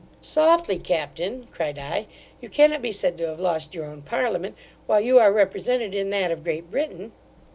'Softly, captain (cried I), you cannot be said to have lost your own parliament, while you are represented in that of Great Britain.